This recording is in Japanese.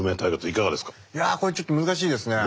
いやあこれちょっと難しいですね。